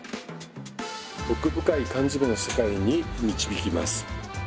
奥深い缶詰の世界に導きます！